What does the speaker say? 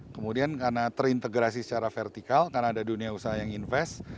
kemudian karena terintegrasi secara vertikal karena ada dunia usaha yang invest